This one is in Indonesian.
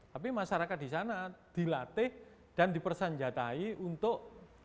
tapi masyarakat di sana dilatih dan dipersenjatai untuk